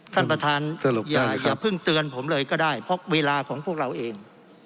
ท่านประธานสรุปอย่าเพิ่งเตือนผมเลยก็ได้เพราะเวลาของพวกเราเอง